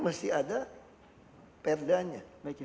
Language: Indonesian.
mesti ada perdanya